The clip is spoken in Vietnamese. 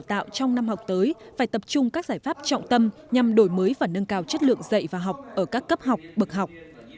tạo trong năm học tới phải tập trung các giải pháp trọng tâm nhằm đổi mới và nâng cao chất lượng dạy và học ở các cấp học bậc học